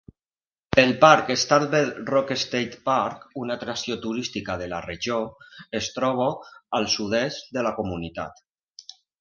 El parc Starved Rock State Park, una atracció turística de la regió, es troba al sud-est de la comunitat.